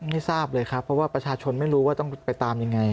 ไม่ทราบเลยครับเพราะว่าประชาชนไม่รู้ว่าต้องไปตามยังไง